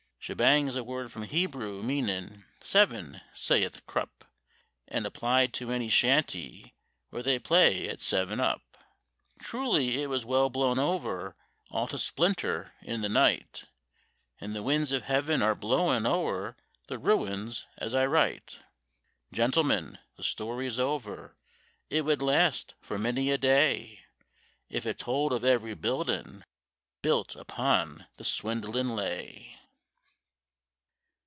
_ (Shebang's a word from Hebrew, meanin' Seven, sayeth Krupp, And applied to any shanty where they play at seven up.) "Truly it was well blown over all to splinders in the night, And the winds of heaven are blowing o'er the ruins as I write." Gentlemen, the story's over. It would last for many a day If it told of every buildin' built upon the swindlin' lay.